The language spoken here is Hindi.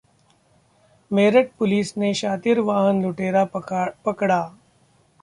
मेरठ पुलिस ने शातिर वाहन लुटेरा पकड़ा